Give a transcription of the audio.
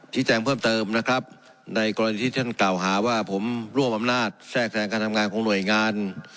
แจ้งเพิ่มเติมนะครับในกรณีที่ท่านกล่าวหาว่าผมร่วมอำนาจแทรกแทรงการทำงานของหน่วยงาน